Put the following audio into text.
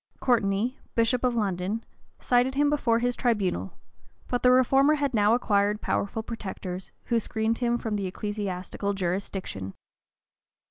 [*] Courteney, bishop of London, cited him before his tribunal; but the reformer had now acquired powerful protectors, who screened him from the ecclesiastical jurisdiction.